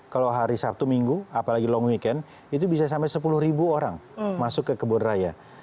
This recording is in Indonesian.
kalau hari sabtu minggu apalagi long weekend itu bisa sampai sepuluh orang masuk ke kebun raya